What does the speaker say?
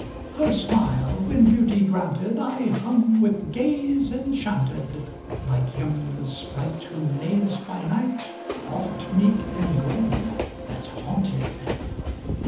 Her smile when Beauty granted, I hung with gaze enchanted, Like him the Sprite, Whom maids by night Oft meet in glen that's haunted.